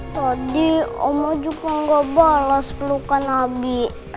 tadi oma juga nggak balas pelukan abi